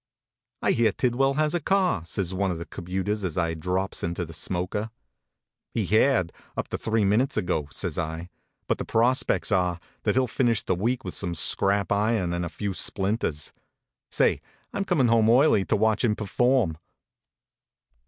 I hear Tidwell has a car," says one of our commuters as I drops into the smoker. HONK, HONK! " He had, up to three minutes ago," says I ;" but the prospects are that he ll finish the week with some scrap iron and a few splinters. Say, I m coming home early to watch him perform."